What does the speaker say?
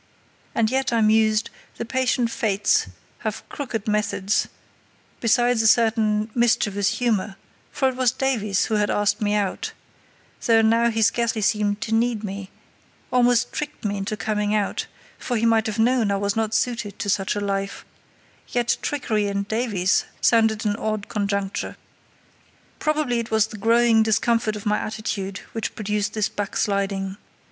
And yet, I mused, the patient fates have crooked methods, besides a certain mischievous humour, for it was Davies who had asked me out—though now he scarcely seemed to need me—almost tricked me into coming out, for he might have known I was not suited to such a life; yet trickery and Davies sounded an odd conjuncture. Probably it was the growing discomfort of my attitude which produced this backsliding.